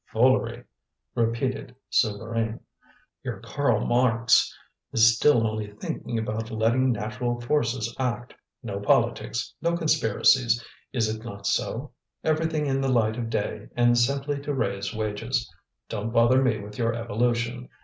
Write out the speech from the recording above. "Foolery!" repeated Souvarine. "Your Karl Marx is still only thinking about letting natural forces act. No politics, no conspiracies, is it not so? Everything in the light of day, and simply to raise wages. Don't bother me with your evolution!